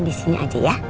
disini aja ya